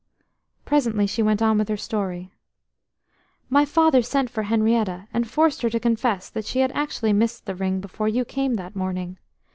Presently she went on with her story. "My father sent for Henrietta, and forced her to confess that she had actually missed the ring before you came that morning.